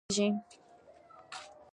بېکاري کمېږي.